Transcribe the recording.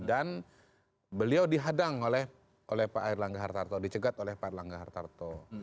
dan beliau dihadang oleh pak air langga hartarto dicegat oleh pak air langga hartarto